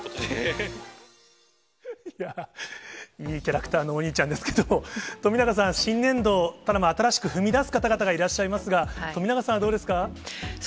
いいキャラクターのお兄ちゃんですけど、冨永さん、新年度、新しく踏み出す方々がいらっしゃいますが、冨永さんはどうですか。